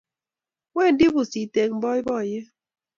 Wendi pusit eng boiboiyet